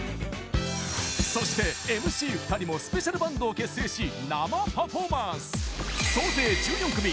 そして、ＭＣ２人もスペシャルバンドを結成し生パフォーマンス！